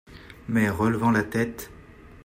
Mais relevant la tête.